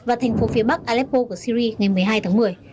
và thành phố phía bắc aleppo của syri ngày một mươi hai tháng một mươi